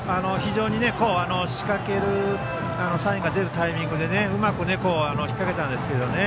仕掛けるサインが出るタイミングでうまく引っかけたんですけどね。